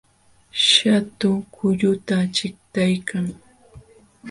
Shatu kulluta chiqtaykan